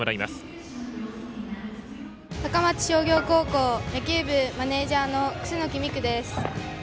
商業高校野球部マネージャーの楠心玖です。